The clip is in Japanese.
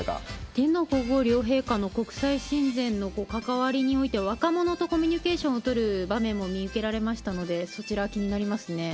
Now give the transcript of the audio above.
天皇皇后両陛下の国際親善の関わりにおいては、若者とコミュニケーションを取る場面も見受けられましたので、そちら気になりますね。